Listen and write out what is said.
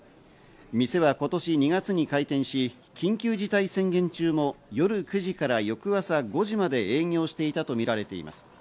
店は今年２月に開店し、緊急事態宣言中も夜９時から翌朝５時まで営業していたとみられています。